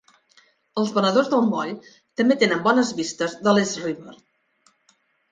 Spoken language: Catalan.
Els venedors del moll també tenen bones vistes de l'East River.